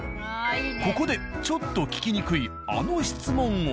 ここでちょっと聞きにくいあの質問を。